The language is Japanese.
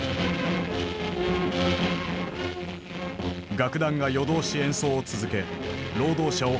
楽団が夜通し演奏を続け労働者を鼓舞した。